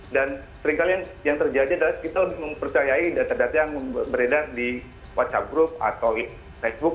dan seringkali yang terjadi adalah kita mempercayai data data yang beredar di whatsapp group atau facebook